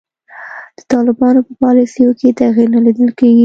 د طالبانو په پالیسیو کې تغیر نه لیدل کیږي.